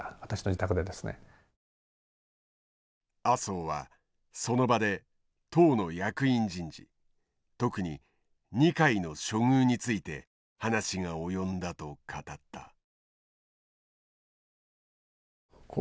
麻生はその場で党の役員人事特に二階の処遇について話が及んだと語った。